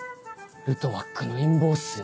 ルトワックの陰謀っすよ。